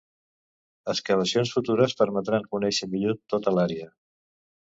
Excavacions futures permetran conèixer millor tota l'àrea.